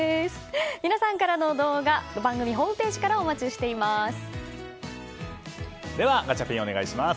皆さんからの動画番組ホームページからではガチャピンお願いします。